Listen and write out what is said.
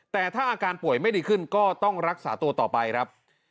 แต่ถ้าอาการป่วยไม่ดีขึ้นก็ต้องรักษาตัวต่อไปครับ